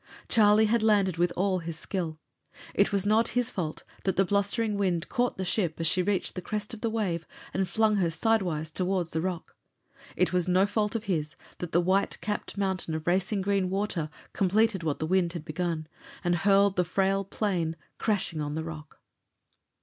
Charlie had landed with all his skill. It was not his fault that the blustering wind caught the ship as she reached the crest of the wave and flung her sidewise toward the rock. It is no fault of his that the white capped mountain of racing green water completed what the wind had begun and hurled the frail plane crashing on the rock.